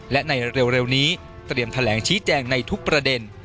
และในเร็วนี้เตรียมแถลงชี้แจงในทุกประเด็น